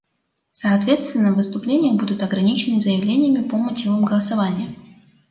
Соответственно, выступления будут ограничены заявлениями по мотивам голосования.